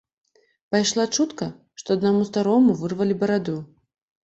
Пайшла чутка, што аднаму старому вырвалі бараду.